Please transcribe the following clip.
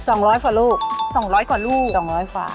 สองร้อยกว่าลูกสองร้อยกว่าลูกสองร้อยฝา